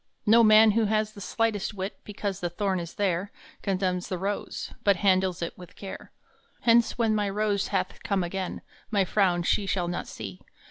No man who has the slightest wit Because the thorn is there Condemns the rose, but handles it With care. Hence when my rose hath come again My frown she shall not see.